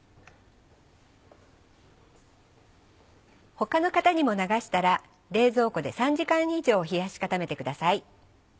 他の型にも流したら冷蔵庫で３時間以上冷やし固めてください。